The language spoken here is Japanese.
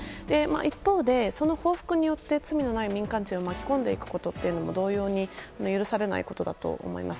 一方で、その報復によって罪のない民間人を巻き込んでいくことも同様に許されないことだと思います。